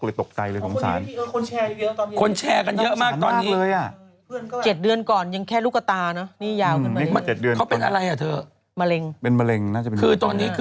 แล้วช่วยเขาได้ยังไง